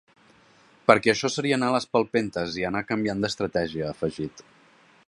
Perquè això seria anar a les palpentes i anar canviant d’estratègia, ha afegit.